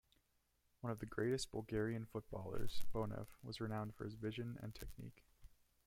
One of the greatest Bulgarian footballers, Bonev was renowned for his vision and technique.